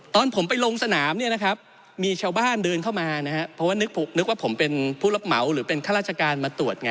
ตอนผมไปลงสนามเนี่ยนะครับ